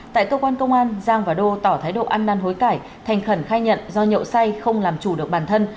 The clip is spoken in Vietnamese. tại cơ quan công an giang và đô tỏ thái độ ăn năn hối cải thành khẩn khai nhận do nhậu say không làm chủ được bản thân